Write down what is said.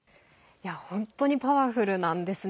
本当にパワフルなんですね。